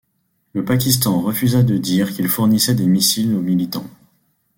Le Pakistan refusa de dire qu'il fournissait des missiles aux militants.